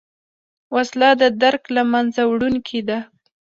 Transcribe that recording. وسله د درک له منځه وړونکې ده